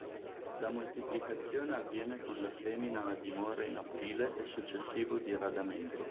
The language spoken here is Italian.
La moltiplicazione avviene con la semina a dimora in aprile e successivo diradamento.